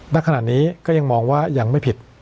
ณขณะนี้ก็ยังมองว่ายังไม่ผิด